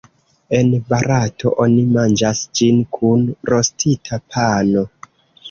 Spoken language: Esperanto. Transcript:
En Barato, oni manĝas ĝin kun rostita pano.